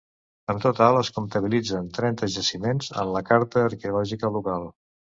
En total es comptabilitzen trenta jaciments en la Carta Arqueològica local.